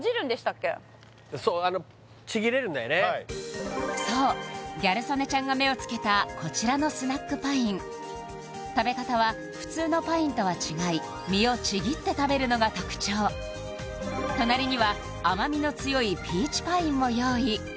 そうそうギャル曽根ちゃんが目をつけたこちらのスナックパイン食べ方は普通のパインとは違い実をちぎって食べるのが特徴隣には甘みの強いピーチパインも用意